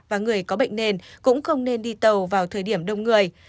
và người có bệnh nền cũng không nên đi tàu vào thời điểm đông người